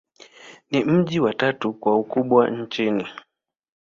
Ni mji wa tatu kwa ukubwa nchini.